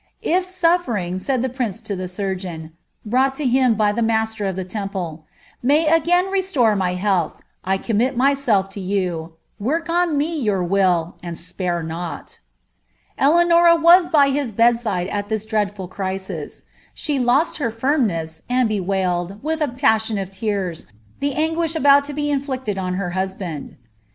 ^ If sufifering,'' said the prince to the surgeon, to him by the roaster of the Temple, ^ may again restore my commit myself to you ; work on me your will, and spare not" n was by his bedside at this dreadful crisis : she lost her firm bewailed, with a passion of tears, the anguish about to be m her husband.